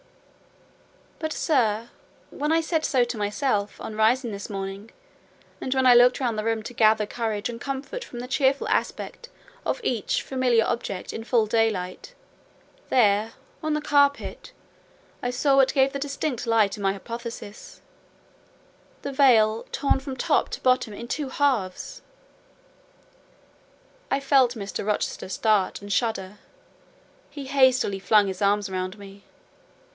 "But, sir, when I said so to myself on rising this morning, and when I looked round the room to gather courage and comfort from the cheerful aspect of each familiar object in full daylight, there—on the carpet—I saw what gave the distinct lie to my hypothesis,—the veil, torn from top to bottom in two halves!" I felt Mr. Rochester start and shudder; he hastily flung his arms round me.